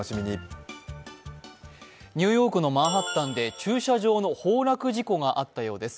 ニューヨークのマンハッタンで駐車場の崩落事故があったようです。